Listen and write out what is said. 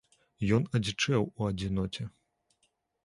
Ён адзічэў у адзіноце.